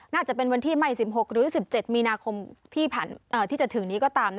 น่าจะเป็นวันที่ไม่๑๖หรือ๑๗มีนาคมที่จะถึงนี้ก็ตาม